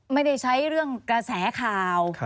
ไม่ได้ใช้เรื่องกระแสข่าว